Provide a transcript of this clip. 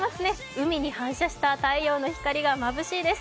海に反射した太陽の光がまぶしいです。